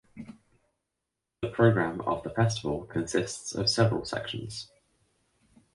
The program of the Festival consists of several sections.